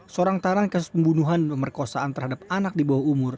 seorang tahanan kasus pembunuhan dan pemerkosaan terhadap anak di bawah umur